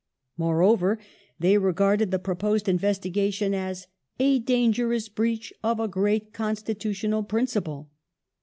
Moreover, they regarded the proposed investigation as " a dangerous breach of a great constitutional principle".